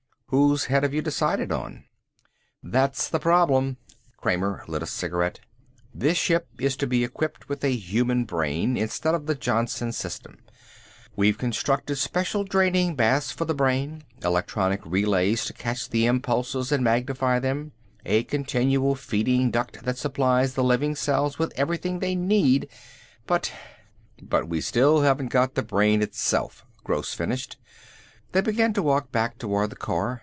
Whose head have you decided on?" "That's the problem." Kramer lit a cigarette. "This ship is to be equipped with a human brain instead of the Johnson system. We've constructed special draining baths for the brain, electronic relays to catch the impulses and magnify them, a continual feeding duct that supplies the living cells with everything they need. But " "But we still haven't got the brain itself," Gross finished. They began to walk back toward the car.